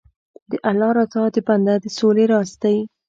د الله رضا د بنده د سولې راز دی.